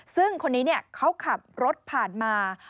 ซึ่งคนนี้เขาขับรถผ่านมา